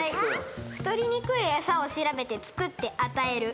太りにくい餌を調べて作って与える。